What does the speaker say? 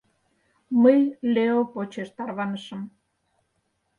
Мый Лео почеш тарванышым.